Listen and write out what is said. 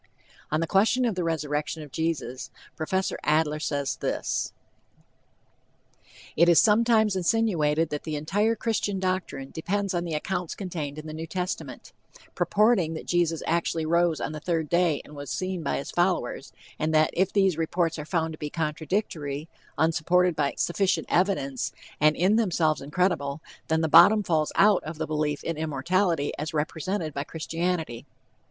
On the question of the resurrection of Jesus, Prof. Adler says this: "It is sometimes insinuated that the entire Christian doctrine depends on the accounts contained in the New Testament, purporting that Jesus actually rose on the third day and was seen by his followers; and that if these reports are found to be contradictory, unsupported by sufficient evidence, and in themselves incredible, then the bottom falls out of the belief in immortality as represented by Christianity."